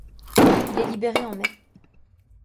Il est libéré en mai.